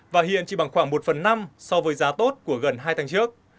và hiện chỉ bằng khoảng một phần năm so với giá tốt của gần hai tháng trước